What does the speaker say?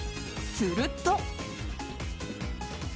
すると。